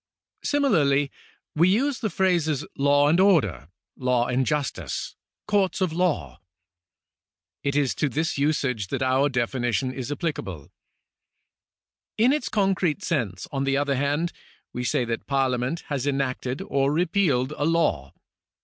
Simi larly we use the phrases law and order, law and justice, courts of law. It is to this usage that our definition is apphcable. In its concrete sense, on the other hand, we say that Parlia ment has enacted or repealed a law.